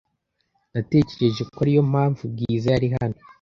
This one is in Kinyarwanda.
Natekereje ko ariyo mpamvu Bwiza yari hano .